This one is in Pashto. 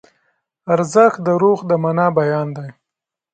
ارزښت د روح د مانا بیان دی.